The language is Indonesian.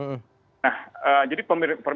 nah jadi pemirsa